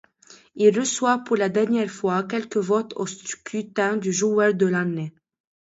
Il reçoit, pour la dernière fois, quelques votes au scrutin du joueur de l'année.